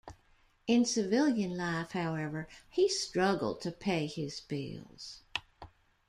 In civilian life, however, he struggled to pay his bills.